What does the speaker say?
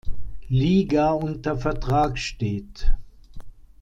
Liga unter Vertrag steht.